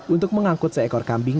untuk mengangkut seekor kambing